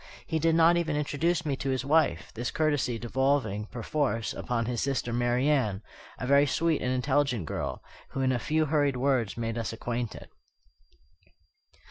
He did not even introduce me to his wife; this courtesy devolving, perforce, upon his sister Marian, a very sweet and intelligent girl, who in a few hurried words made us acquainted.